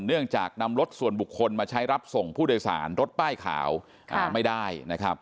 เนื่องจากนำรถส่วนบุคคลมาใช้รับส่งผู้โดยสารรถป้ายขาวไม่ได้นะครับ